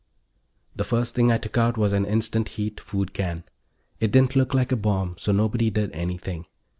The first thing I took out was an instant heat food can. It didn't look like a bomb, so nobody did anything.